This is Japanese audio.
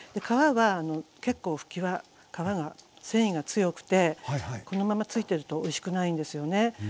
皮は結構ふきは皮が繊維が強くてこのまま付いてるとおいしくないんですよね。